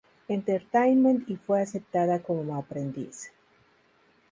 Entertainment y fue aceptada como aprendiz.